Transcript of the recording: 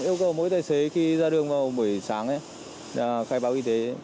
yêu cầu mỗi tài xế khi ra đường vào buổi sáng khai báo y tế